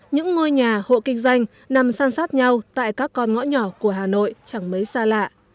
những ngôi nhà hộ kinh doanh nằm san sát nhau tại các con ngõ nhỏ của hà nội chẳng mấy xa lạ